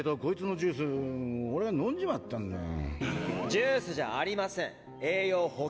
ジュースじゃありません栄養補給ドリンク。